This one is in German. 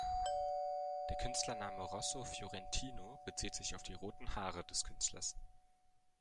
Der Künstlername Rosso Fiorentino bezieht sich auf die roten Haare des Künstlers.